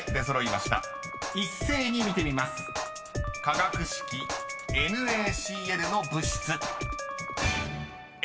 ［化学式ＮａＣｌの物質］